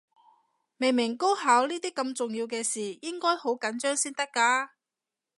明明高考呢啲咁重要嘅事，應該好緊張先得㗎